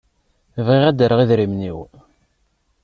Bɣiɣ ad d-rreɣ idrimen-iw.